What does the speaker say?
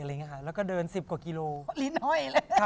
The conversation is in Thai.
แล้วก็เดิน๑๐กว่ากิโลกรัม